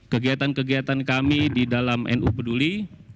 kegiatan kegiatan kami di dalam nu peduli